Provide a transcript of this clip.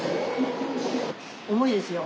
重いですよ。